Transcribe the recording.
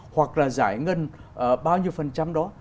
hoặc là giải ngân bao nhiêu phần trăm đó